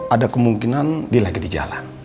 ada kemungkinan dia lagi di jalan